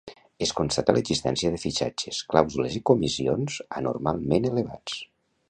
Es constata l'existència de fitxatges, clàusules i comissions anormalment elevats.